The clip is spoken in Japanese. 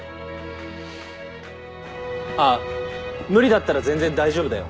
あっ無理だったら全然大丈夫だよ。